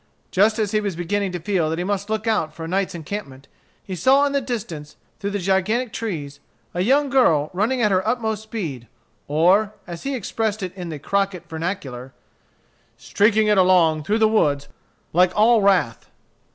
Just as he was beginning to feel that he must look out for a night's encampment, he saw in the distance, through the gigantic trees, a young girl running at her utmost speed, or, as he expressed it in the Crockett vernacular, "streaking it along through the woods like all wrath."